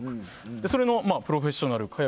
それのプロフェッショナル。